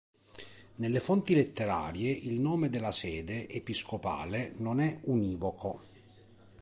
Nelle fonti letterarie, il nome della sede episcopale non è univoco.